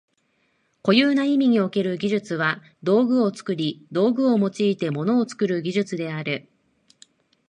固有な意味における技術は道具を作り、道具を用いて物を作る技術である。